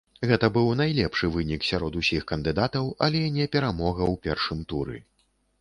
Гэта быў найлепшы вынік сярод усіх кандыдатаў, але не перамога ў першым туры.